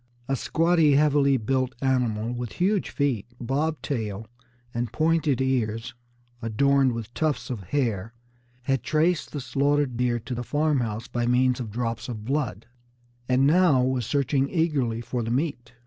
A squatty, heavily built animal, with huge feet, bob tail, and pointed ears adorned with tufts of hair, had traced the slaughtered deer to the farmhouse by means of drops of blood, and now was searching eagerly for the meat.